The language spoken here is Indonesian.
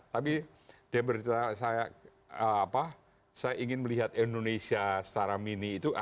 tapi dia bercerita saya apa saya ingin melihat indonesia secara mini itu